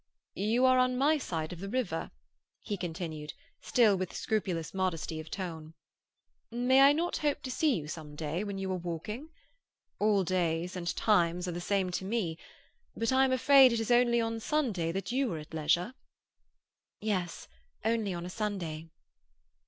"You are on my side of the river," he continued, still with scrupulous modesty of tone. "May I not hope to see you some day, when you are walking? All days and times are the same to me; but I am afraid it is only on Sunday that you are at leisure?" "Yes, only on a Sunday."